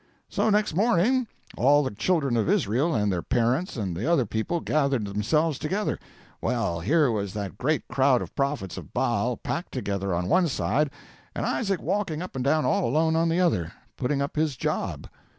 'So next morning all the Children of Israel and their parents and the other people gathered themselves together. Well, here was that great crowd of prophets of Baal packed together on one side, and Isaac walking up and down all alone on the other, putting up his job.